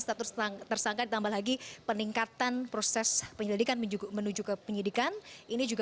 status tersangka ditambah lagi peningkatan proses penyelidikan menuju ke penyidikan ini juga